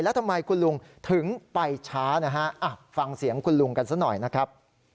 แล้วทำไมคุณลุงถึงไปช้านะฮะฟังเสียงคุณลุงกันซะหน่อยนะครับ